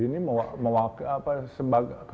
itu lebih muda nih pak mukanya